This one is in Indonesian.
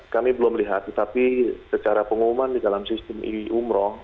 kami belum melihat tapi secara pengumuman di dalam sistem iwi umroh